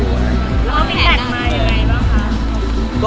ร้องพิกัดมายังไงบ้างครับ